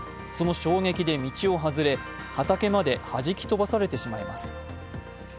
その衝撃で道を外れ畑まで弾き飛ばされてしまいます。